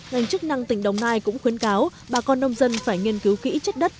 ngành chức năng tỉnh đồng nai cũng khuyến cáo bà con nông dân phải nghiên cứu kỹ chất đất